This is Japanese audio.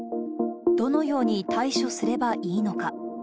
どのように対処すればいいのか。